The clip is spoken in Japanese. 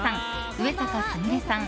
上坂すみれさん